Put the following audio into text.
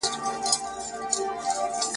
په لږ وخت کي یې پر ټو له کور لاس تېر کړ ..